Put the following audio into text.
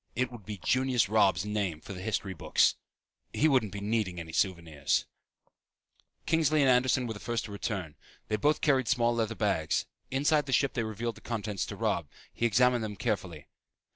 It would be Junius Robb's name for the history books. He wouldn't be needing any souvenirs. Kingsley and Anderson were the first to return. They both carried small leather bags. Inside the ship they revealed the contents to Robb. He examined them carefully.